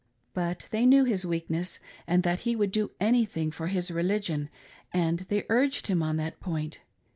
But they knew his weakness and that he would do anything for his religion, and th^ urged him on that point.